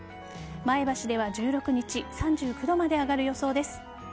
前橋では１６日３９度まで上がる予想です。